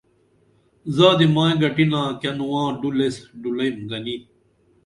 زادی مائی گھٹِنا کیہ نواں ڈُل ایس ڈُلیم گنی